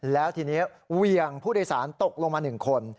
แล้วทีนี้เวียงผู้โดยสารตกลงมา๑คน